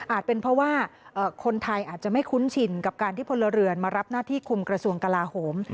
เป็นเพราะว่าคนไทยอาจจะไม่คุ้นชินกับการที่พลเรือนมารับหน้าที่คุมกระทรวงกลาโหม